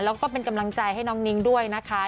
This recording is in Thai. แล้วก็เป็นกำลังใจให้น้องนิ้งด้วยนะคะ